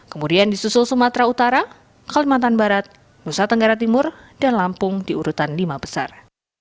kemudian di susul sumatera utara kalimantan barat nusa tenggara timur dan lampung di urutan lima besar